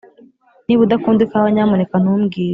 niba udakunda ikawa, nyamuneka ntumbwire.